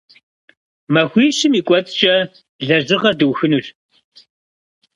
Махуищым и кӏуэцӏкӏэ лэжьыгъэр дыухынущ.